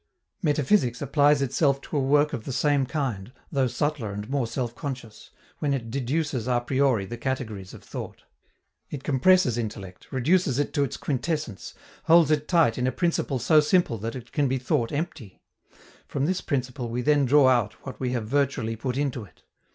Metaphysics applies itself to a work of the same kind, though subtler and more self conscious, when it deduces a priori the categories of thought. It compresses intellect, reduces it to its quintessence, holds it tight in a principle so simple that it can be thought empty: from this principle we then draw out what we have virtually put into it.